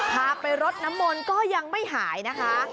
พาไปรดน้ำมนต์ก็ยังไม่หายนะคะ